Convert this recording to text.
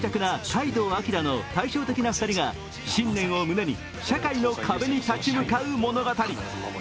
階堂彬の対照的な２人が信念を胸に社会の壁に立ち向かう物語。